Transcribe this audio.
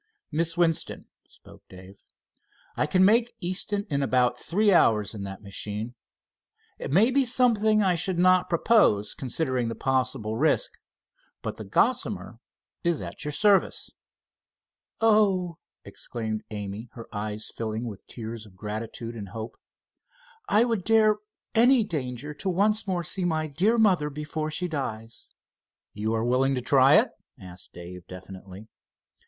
"Miss Winston," spoke Dave, "I can make Easton in about three hours in that machine. It may be something I should not propose, considering the possible risk, but the Gossamer is at your service." "Oh," exclaimed Amy, her eyes filling with tears of gratitude and hope, "I would dare any danger to once more see my dear mother before she dies." "You are willing to try it?" asked Dave, definitely.